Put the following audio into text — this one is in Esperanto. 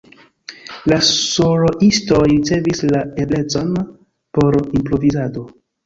La soloistoj ricevis la eblecon por improvizado.